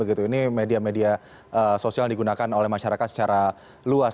ini media media sosial yang digunakan oleh masyarakat secara luas